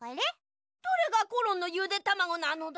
どれがコロンのゆでたまごなのだ？